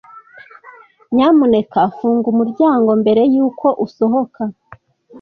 Nyamuneka funga umuryango mbere yuko usohoka.